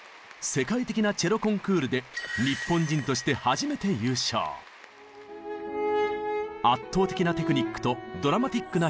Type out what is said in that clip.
世界的なチェロコンクールで圧倒的なテクニックとドラマティックな表現力。